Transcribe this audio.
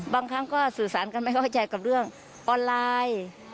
บางครั้งก็สื่อสารกันไม่เข้าใจกับเรื่องออนไลน์